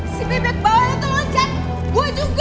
si pebek bawahnya tuh lancar gue juga